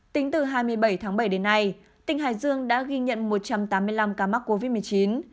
tính từ hai mươi bảy tháng bảy đến nay tỉnh hải dương đã ghi nhận một trăm tám mươi năm ca mắc covid một mươi chín